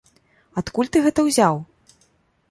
Адкуль ты гэта ўзяў?